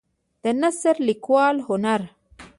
د نثر لیکلو هنر